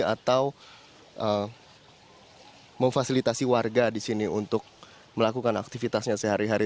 atau memfasilitasi warga di sini untuk melakukan aktivitasnya sehari hari